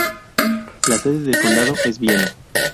La sede del condado es Vienna.